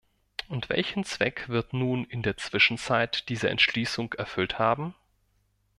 Und welchen Zweck wird nun in der Zwischenzeit diese Entschließung erfüllt haben?